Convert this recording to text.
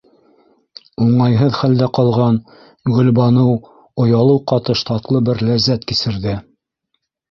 — Уңайһыҙ хәлдә ҡалған Гөлбаныу оялыу ҡатыш татлы бер ләззәт кисерҙе.